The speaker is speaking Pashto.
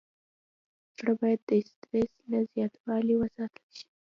زړه باید د استرس له زیاتوالي وساتل شي.